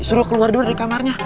suruh keluar dulu dari kamarnya